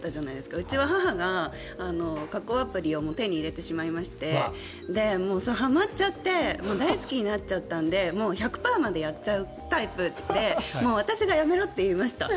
うちは母が加工アプリを手に入れてしまいましてそれ、はまっちゃって大好きになっちゃったので１００％までやっちゃうタイプで私がやめろって言いました。